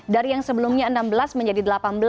dari yang sebelumnya enam belas menjadi delapan belas